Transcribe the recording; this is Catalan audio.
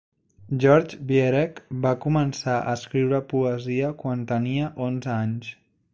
George Viereck va començar a escriure poesia quan tenia onze anys.